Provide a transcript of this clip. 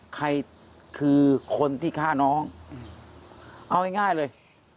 ใครคือคนที่ฆ่าน้องเอาง่ายเลย